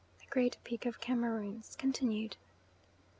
THE GREAT PEAK OF CAMEROONS (continued).